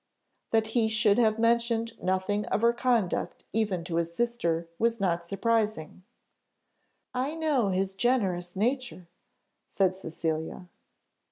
That he should have mentioned nothing of her conduct even to his sister, was not surprising. "I know his generous nature," said Cecilia.